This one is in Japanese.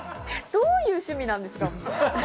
どういう趣味なんですか？